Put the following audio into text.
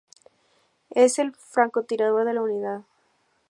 Es el francotirador de la unidad.